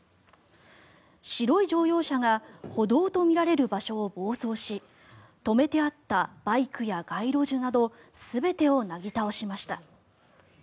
白い乗用車が歩道とみられる場所を暴走し止めてあったバイクや街路樹など全てをなぎ倒しました。